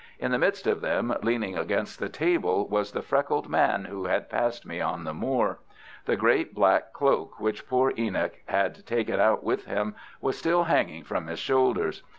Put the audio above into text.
In the midst of them, leaning against the table, was the freckled man who had passed me on the moor. The great black cloak which poor Enoch had taken out with him was still hanging from his shoulders.